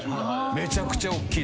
めちゃくちゃおっきい。